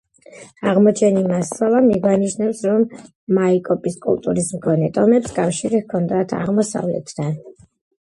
აღმოჩენილი მასალა მიგვანიშნებს, რომ მაიკოპის კულტურის მქონე ტომებს კავშირი ჰქონდათ აღმოსავლეთთან.